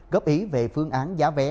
góp ý về phương án giá vé